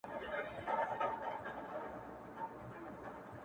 تک سپين کالي کړيدي.